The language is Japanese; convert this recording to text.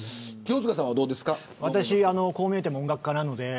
私、こう見えて音楽家なので。